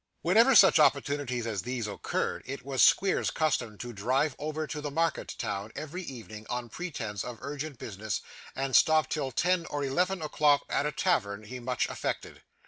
Whenever such opportunities as these occurred, it was Squeers's custom to drive over to the market town, every evening, on pretence of urgent business, and stop till ten or eleven o'clock at a tavern he much affected.